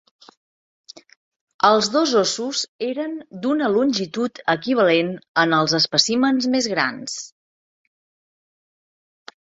Els dos ossos eren d'una longitud equivalent en els espècimens més grans.